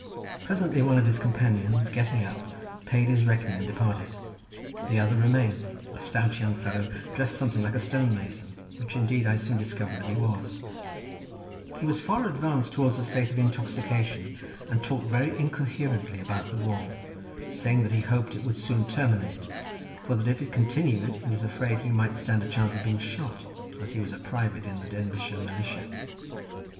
Presently one of his companions, getting up, paid his reckoning and departed, the other remained, a stout young fellow dressed something like a stone mason, which indeed I soon discovered that he was—he was far advanced towards a state of intoxication and talked very incoherently about the war, saying that he hoped it would soon terminate for that if it continued he was afraid he might stand a chance of being shot, as he was a private in the Denbighshire Militia.